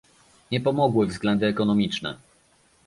Nie pomogły względy ekonomiczne